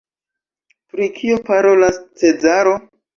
Pri kio parolas Cezaro?